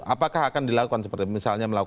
apakah akan dilakukan seperti misalnya